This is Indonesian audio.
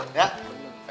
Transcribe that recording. eh tapi san